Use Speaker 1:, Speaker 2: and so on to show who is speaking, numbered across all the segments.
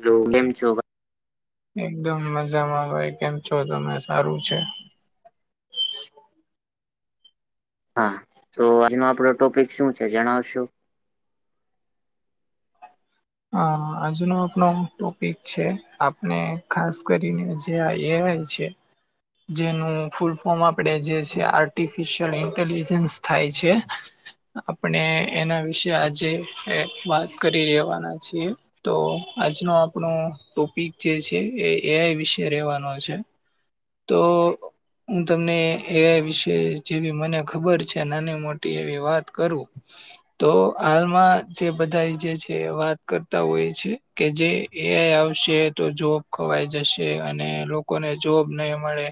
Speaker 1: Hello કેમ છો
Speaker 2: એકદમ મજામાં ભાઈ કેમ છો તમે સારું છે
Speaker 1: હા તો આજનો આપડો ટોપિક શું છે જણાવસો
Speaker 2: હ હ આજનો આપણ ટોપિક છે આપણે ખાસ કરીને કે આ એઆઈ છે જેનું ફૂલ ફોર્મ આપણેે જે છે આર્ટિફિશિયલ ઇન્ટેલિજન્સ થાય છે આપણે એના વિશે આજે એક વાત કરી રેવાના છીએ તો આજનો આપણો ટોપિક જે છે એ એઆઈ વિશે રેવાનો છે તો હું તમને એઆઈ વિશે જેવી મને ખબર છે નાની મોટી એવી વાત કરું તો હાલમાં જે બધાય જે છે વાત કરતા હોય છે કે જે એઆઈ આવશે તો જોબ ખોવાય જશે અને કોને જોબ નહી મળે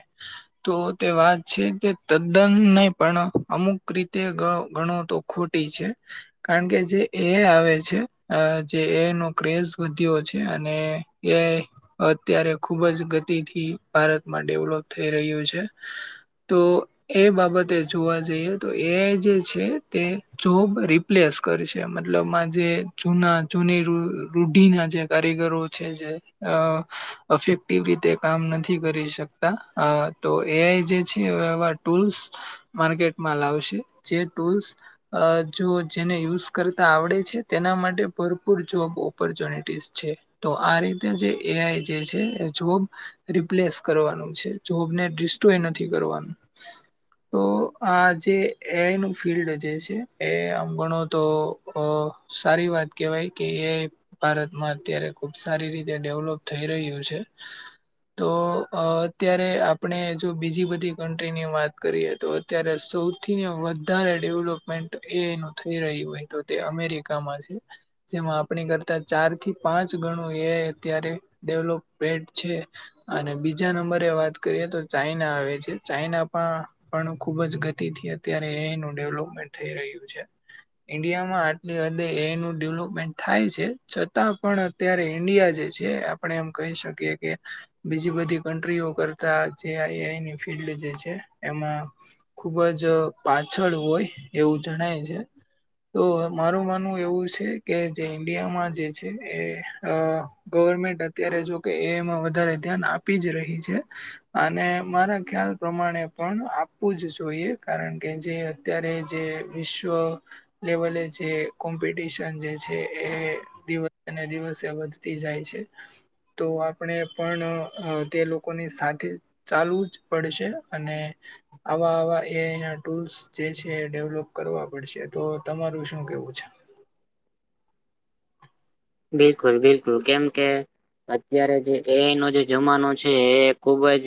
Speaker 2: તો તે વાત છે તે તદ્દન નહી પણ અમુક રીતે ગણ ગણો તો ખોટી છે કારણ કે જે એઆઈ આવે છે અ જે એનો ક્રેઝ વધ્યો છે અને એઆઈ અત્યારે ખુબ જ ગતિથી ભારતમાં ડેવલોપ થઈ રહ્યું છે તો એ બાબતે જોવા જઈએ તો એઆઈ જે છે તે જોબ રિ પ્લેસ કરે છે મતલબમાં જે જૂના જૂની રૂઢ રૂઢિના જે કારીગરો છે જે અ અફેક્ટિવ રીતે કામ નથી કરી શકતા અ તો એઆઈ જે છે આવા ટૂલ્સ માર્કેટમાં લાવશે જે ટૂલ્સ અ જો જેને યુઝ કરતા આવડે છે તેના માટે ભરપૂર જોબ ઓપોર્ચ્યુનિટીસ છે તો આ રીતે જે એઆઈ જે છે જોબ રિપ્લેસ કરવાનું છે જોબને ડિસ્ટ્રોય નથી કરવાનું તો આ જે એઆઈ નું ફિલ્ડ જે છે એ આમ ગણો તો હ સારી વાત કેવાય કે એ ભારતમાં અત્યારે ખુબ સારી રીતે ડેવલોપ થઈ રહ્યું છે તો અત્યારે આપણે જો બીજી બધી કન્ટ્રીની વાત કરીએ તો અત્યારે સૌથીને વધારે ડેવલોપમેન્ટ એ ઇ થઈ રહી હોય તો તે અમેરિકામાં છે જેમાં આપણી કરતા ચાર થી પાંચ ગણું એ આઈ અત્યારે ડેવલોપમેડ છે અને બીજા નંબરે વાત કરીએ તો ચાઈના આવે છે ચાઈના પણ પણ ખુબ જ ગતિથી અત્યારે એઆઈ નુ ડેવલપમેન્ટ થઈ રહ્યું છે ઈન્ડિયા માં આટલી હદે એ આઈ નુ ડેવલપ થાય છે છતાં પણ અત્યારે ઈન્ડિયા જે છે આપણે એમ કહી શકીએ કે બીજી બધી કન્ટ્રીઓ કરતા જે એ આઈની ફિલ્ડ જે છે એમાં ખુબ જ પાછળ હોય એવું જણાય છે તો મારું માનવું એવું છે કે જે ઇન્ડિયામાં જે છે એ ગવર્મેન્ટ અત્યારે જોકે એમાં વધારે ધ્યાન આપે આપી જ રહી છે અને મારા ખ્યાલ પ્રમાણે પણ આપવું જ જોઈએ કારણ કે જે અત્યારે જે વિશ્વ લેવલે જે કોમ્પિટિશન જે એ દિવસેને દિવસે વધતી જાય છે તો આપણે પણ તે લોકોની સાથે ચાલવું જ પડશે અને આવા આવા એઆઈ ના ટૂલ્સ જે છે ડેવલોપ કરવા પડશે તો તમારું શું કેવું છે
Speaker 1: બિલકુલ બિલકુલ કેમ કે અત્યારે જે એઆઈ નો જે જમાનો છે એ ખુબ જ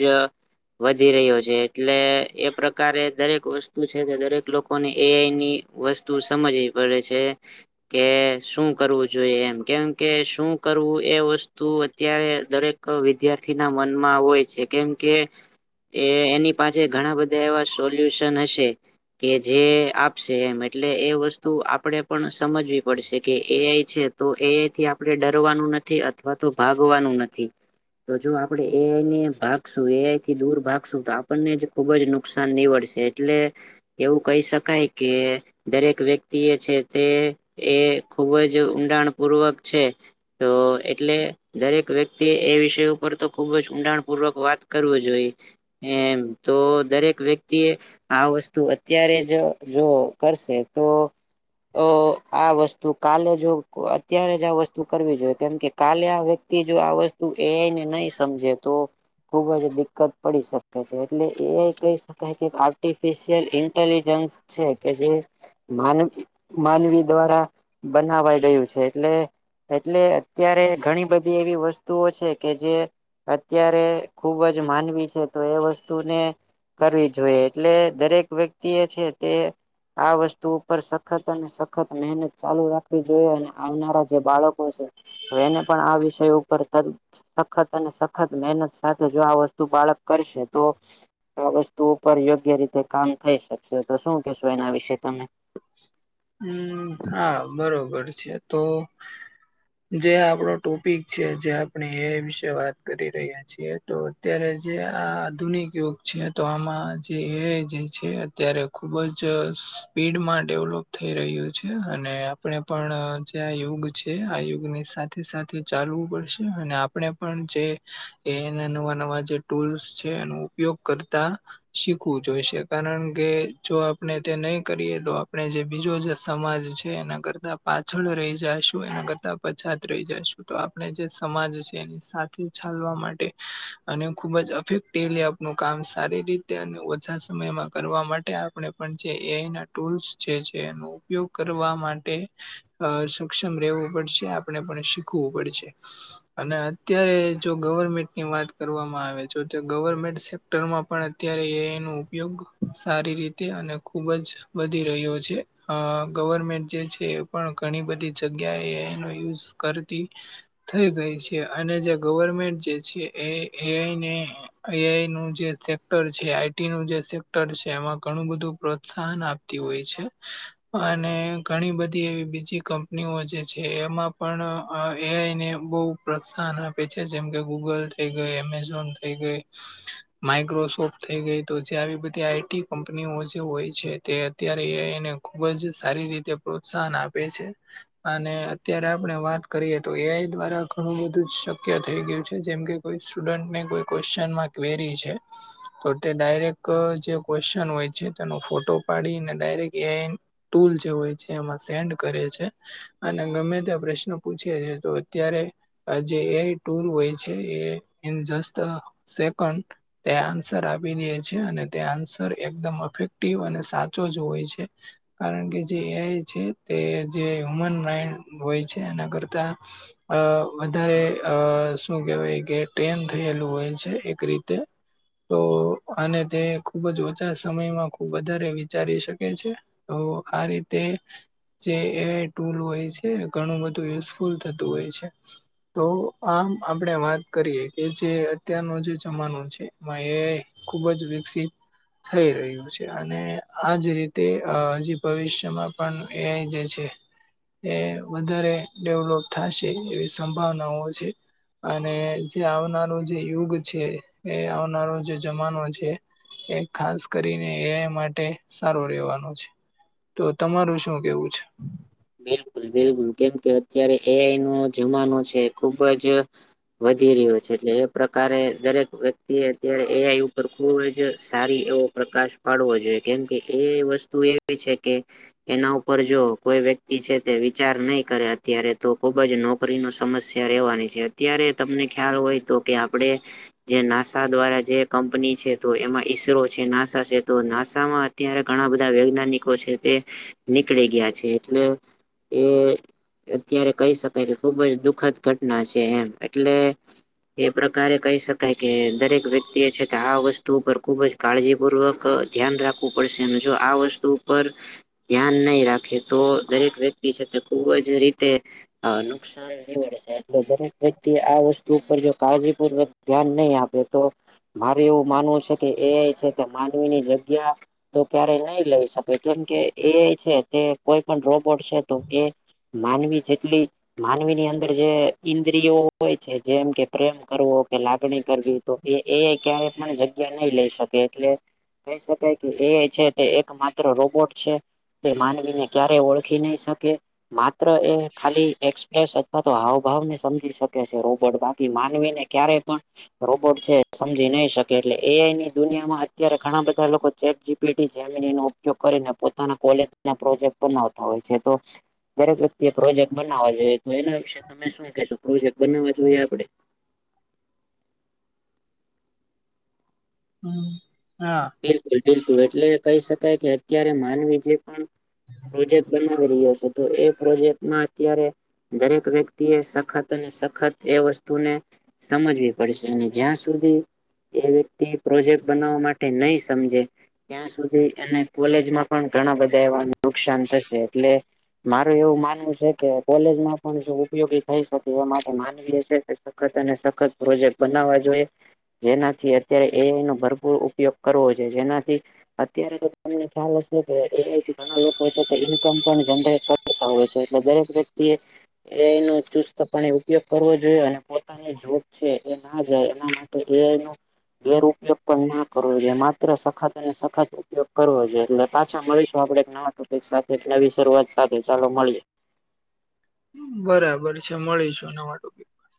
Speaker 1: વધી રહ્યો છે એટલે એ પ્રકારે દરેક વસ્તુ તુ છે તો દરેક લોકોને એઆઈ ની વસ્તુ સમજવી પડે છે કે શું કરવું જોઈએ એમ કેમકે શું કરવું એ વસ્તુ અત્યારે દરેક વિદ્યાર્થીના મનમાં હોય છે કેમ કે એ એની પાસે ઘણા બધા એવા સોલ્યુશન હશે કે જે આપશે એમ એટલે એ વસ્તુ આપણેે પણ સમજવી પડશે કે એઆઈ છે તો એઆઈ થી આપણે ડરવાનું નથી અથવા તો ભાગવાનું નથી તો જો આપણે એઆઈ ને ભાગશું એઆઈ થી દૂર ભાગશું તો આપણને જ ખુબ જ નુકસાન નીવડશે એટલે એવું કહી શકાય કે દરેક વ્યક્તિ એ છે તે એ ખુબ જ ઊંડાણ પૂર્વક છે તો એટલે દરેક વ્યક્તિએ એ વિષય ઉપર તો ખુબ જ ઊંડાણ પૂર્વક વાત કરવુ જોઈએ એમ તો દરેક વ્યક્તિ એ આ વસ્તુ અત્યારે જ જો કરશે તો તો આ વસ્તુ કાલે જો અત્યારે જ આ વસ્તુ કરવી જોઈએ કેમકે કાલે આ વ્યક્તિ જો આ વસ્તુ એઆઈ ને નહી સમજે તો ખૂબ જ દિક્કત પડી શકે છે એટલે એઆઈ કહી શકાય કે આર્ટિફિશિયલ ઇન્ટેલિજન્સ છે કે જે માન માનવી દ્વારા બનાવાઈ ગયું છે એટલે એટલે અત્યારે ઘણી બધી એવી વસ્તુઓ છે કે જે અત્યારે ખુબ જ માનવી છે તો એ વસ્તુને કરવી જોઈએ એટલે દરેક વ્યક્તિ એ છે તે આ વસ્તુ ઉપર સખત અને સખત મહેનત ચાલુ રાખવી જોઈએ અને આવનારા જે બાળકો છે હ એને પણ આ વિષય ઉપર સખત અને સખત મહેનત સાથે જો આ વસ્તુ બાળક કરશે તો આ વસ્તુ ઉપર યોગ્ય રીતે કામ થઈ શકશે તો શું કેશો એના વિશે તમે
Speaker 2: હુ હા બરોબર છે તો
Speaker 1: [unintelligible]
Speaker 2: જે આપણો ટોપિક છે જે આપણે એ વિશે વાત કરી રહ્યા છીએ તો અત્યારે જે આ આધુનિક યુગ છે તો આમાં જે એ જે છે અત્યારે ખુબ જ સ્પીડ મા ડેવલોપ થઈ રહ્યું છે અને આપણે પણ જે આ યુગ છે આ યુગની સા સાથે સાથે ચાલવું પડશે અને આપણે પણ જે એના નવા નવા જે ટૂલ્સ છે એનો ઉપયોગ કરતા શીખવું જઈશે કારણ કે જો આપણે તે નહી કરીયે આપણે જે બીજો જ સમાજ છે એના કરતાં પાછળ રહી જાઈશું એના કરતાં પછાત રહી જાઈશું તો આપણે જે સમાજ છે એની સાથે ચાલવા માટે અને ખુબ જ [unintelligible] નું કામ સારી રીતે અને ઓછા સમયમાં કરવા માટે આપણે પણ જે એઆઈના ટૂલ્સ જે છે એનો ઉપયોગ કરવા માટે અ સક્ષમ રહેવું પડશે આપણે પણ શીખવું પડશે અને અત્યારે જો ગવર્મેન્ટની વાત કરવામાં આવે જો ગવર્મેન્ટ [unintelligible] માં પણ અત્યારે એઆઈ નો ઉપયોગ સારી રીતે અને ખૂબ જ વધી રહ્યો છે અ ગવર્મેન્ટ જે છે એ પણ ઘણી બધી જગ્યાએ એઆઈનો યુઝ કરતી થઈ ગઈ છે અને જે ગવર્મેન્ટ જે છે એ એઆઈને આઆઈ નું જે સેક્ટર છે આઈટી નું જે સેક્ટર છે એમાં ઘણું બધું પ્રોત્સાહન આપ તી હોય છે અને ઘણી બધી એવી બીજી કંપનીઓ જે છે એમાં પણ એઆઈને બહ પ્રોત્સાહન આપે છે જેમ કે ગૂગલ થઇ ગઈ એમેઝોન થઇ ગઈ માઈક્રોસોફ્ટ થઈ ગઈ તો જે આવી બધી આઈટી કંપનીઓ જે હોય છે તે ત્યારે એઆઈ ને ખુબ જ સારી રીતે પ્રોત્સાહન આપે છે અને અત્યારે આપડે વાત કરીએ તો એઆઈ દ્વારા ઘણું બધું જ શક્ય થઈ ગયું છે જેમ કે કોઈ સ્ટુડન્ટ ને કોઈ ક્વેશ્ચન માં ક્વેરી છે તો તે ડાયરેક જે ક્વેશ્ચન હોય છે તેનો ફોટો પાડીને ડાયરેક્ટ એઆઈ ટૂલ જે હોય છે એમાં સેન્ડ કરે છે અને ગમે ત્યાં પ્રશ્ન પુછે એ તો અત્યારે આ જે એઆઈ ટુલ હોય છે એ ઇન જસ્ટ સેકન્ડ તે આન્સર આપી દે છે અને તે આન્સર એકદમ અફેક્ટિવ અને [unintelligible] હોય છે કારણ કે જે એઆઈ છે તે જે હ્યુમન માઇન્ડ હોય છે એના કરતા અ વધારે અ શું કેહેવાય કે ટેમ થયેલું હોય છે એક રીતે તો અને તે ખુબ જ ઓછા સમયમાં ખુબ વધારે ચારી શકે છે તો આ રીતે જે એઆઈ ટૂલ હોય છે એ ઘણું બધું યુઝફુલ થતું હોય છે તો આમ આપણે વાત કરીએ કે જે અત્યારનો જે જમાનો છે એમાં એઆઈ ખુબ જ વિકસિત થઈ રહ્યું છે અને આજ રીતે હજી ભવિષ્યમાં પણ એઆઈ જે છે એ વધારે ડેવલોપ થઃશે એવી સંભાવનાઓ છે અને જે આવનારું જે યુગ છે એ આવનારો જે જમાનો છે એ ખાસ કરીને એઆઈ માટે સારો રેવાનો છે તો તમારું શું કેવું છે
Speaker 1: બિલકુલ બિલકુલ કેમ કે અત્યારે એ આઈ નો જમાનો છે ખુબ જ વધી રહ્યો છે એટલે એ પ્રકારે દરેક વ્યક્તિ એ અત્યારે એ આઈ ઉપર ખુબ જ સારી એવો પ્રકાશ પાડવો જોઈએ કેમ કે એ વસ્તુ એવી છે કે એના ઉપર જો કોઈ વ્યક્તિ છે તે વિચાર નય કરે અત્યારે તો ખુબ જ નોકરી ની સમસ્યા રહેવાની છે. ત્યારે તમને ખ્યાલ હોય તો કે આપડે જે નાસા દ્વારા જે કંપની છે તો એમાં ઈસરો છે, નાસા છે તો નાસામાં જ ત્યારે ઘણા બધા વૈજ્ઞાનિકો છે તે નીકળી ગીયા છે એટલે એ અત્યારે કહી શકાય કે ખુબ જ દુખદ ઘટના છે એમ એટલે એ પ્રકારે કહી શકાય કે દરેક વ્યક્તિ એ છે તે આ વસ્તુ ઉપર ખુબ જ કાળજીપૂર્વક ધ્યાન રાખવું પડશે અને જો આ વસ્તુ ઉપર ધ્યાન નય રાખે તો દરેક વ્યક્તિ છે તે ખુબ જ રીતે નુકસાન સાર નીવડ એટલે દરેક વ્યક્તિ આ વસ્તુ ઉપર જો કાળજીપૂર્વક ધ્યાન નહી આપે તો મારુ એવું માનવું છે કે એઆઈ છે તે માનવીની જગ્યા તો ક્યારેય નય લઈ શકે કેમકે એઆઈ છે તે કોઈ પણ રોબોટ છે તો એ માનવી જેટલી માનવી ની અંદર જે ઈન્દ્રિયો હોય છે જેમ કે પ્રેમ કરવો કે, લાગણી કરવી. તો એ એઆઈ ક્યારેય પણ જગ્યા નય લઈ શકે એટલે કહી શકાય કે એઆઈ છે તે એક માત્ર રોબોટ છે તે માનવીને ક્યારે ઓળખી ની શકે માત્ર એ ખાલી એક્સપ્રેસ અથવા તો હાવભાવને સમજી શકે છે રોબોટ બાકી માનવી ને ક્યારેય પણ રોબોટ છે એ સમજી નય શકે એટલે એઆઈ ની દુનિયામાં અત્યારે ઘણા બધા લોકો ચેટજીપીટી ચાલે એનો ઉપયોગ કરીને પોતાના કોલેજ નો પ્રોજેક્ટ બનાવતા હોય છે તો દરેક વ્યક્તિ એ પ્રોજેક્ટ બનાવવા જોઈએ. તો એના વિશેે તમે શું કેશો પ્રોજેક્ટ બનાવવા જોઈએ આપડે?
Speaker 2: હમમ હા.
Speaker 1: બિલકુલ બિલકુલ એટલે કહી શકાય કે અત્યારે માનવી જે પણ પ્રોજેક્ટ કરી રહ્યો છે તો એ પ્રોજેક્ટમાં અત્યારે દરેક વ્યક્તિ એ સખત અને સખત એ વસ્તુને સમજવી પડશે અને જ્યાં સુધી એ વ્યક્તિ પ્રોજેક્ટ બનાવવા માટે નય સમજે ત્યાં સુધી એને કોલેજમાં પણ ઘણા બધા એવા નુકસાન થશે એટલે મારું એવું માનવું છે કે કોલેજમાં પણ જો ઉપયોગી થઈ શકે એ માટે માનવી એ સખત અને સખત પ્રોજેક્ટ બનાવવા જોઈએ જેનાથી અત્યારે એઆઈ નો ભરપૂર ઉપયોગ કરવો છે જેનાથી અત્યારે તો તમને ખ્યાલ હશે કે એઆઈ ઘણા લોકો છે [unintelligible] પણ જનરેટ કરતા હોય છે એટલે દરેક વ્યક્તિ એ એટલે એનો ચુસ્તપણે ઉપયોગ કરવો જોઈએ અને પોતા ની જોબ છે એ ના જાય એના માટે આઈ નો દૂરઉપયોગ પણ ના કરવો જોઇએ માત્ર સખત અને સખત ઉપયોગ કરવો જોઈએ એટલે પાછા મળીશું આપડે એક નવા ટોપિક સાથે નવી શરૂઆત સાથે ચાલો મળીએ.
Speaker 2: બરાબર છે મળીશું નવા ટોપિક પર